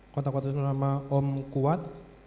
kontak whatsapp atas nama om kuat